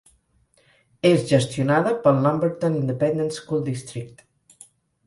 És gestionada pel Lumberton Independent School District.